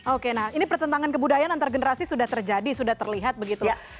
oke nah ini pertentangan kebudayaan antar generasi sudah terjadi sudah terlihat begitu